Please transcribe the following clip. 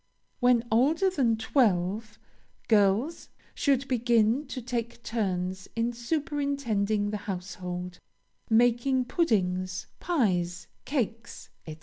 When older than twelve, girls should begin to take turns in superintending the household making puddings, pies, cakes, &c.